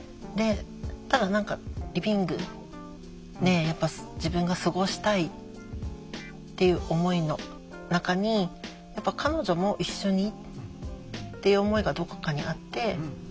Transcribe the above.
ただ何かリビングで自分が過ごしたいっていう思いの中にやっぱ彼女も一緒にっていう思いがどこかにあって。